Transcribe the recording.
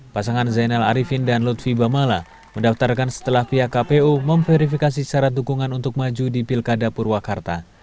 pasangan zainal arifin dan lutfi bamala mendaftarkan setelah pihak kpu memverifikasi syarat dukungan untuk maju di pilkada purwakarta